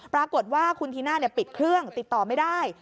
ปรากฏว่าคุณธีน่าปิดเครื่องติดต่อไม่ได้